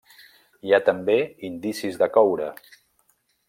Hi ha també indicis de coure.